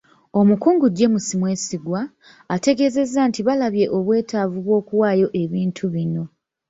Omukungu James Mwesigwa, ategeezezza nti balabye obwetaavu bw'okuwaayo ebintu bino.